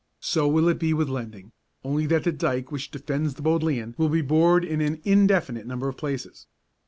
So will it be with lending, only that the dyke which defends the Bodleian will be bored in an indefinite number of places.